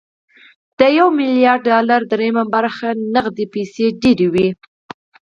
د يو ميليارد ډالرو درېيمه برخه نغدې روپۍ ډېرې وي